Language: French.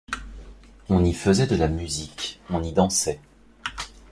On y faisait de la musique, on y dansait.